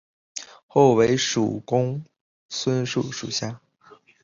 后为蜀公孙述属下。